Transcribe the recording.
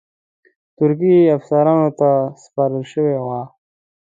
ترکي افسرانو ته سپارل شوی وای.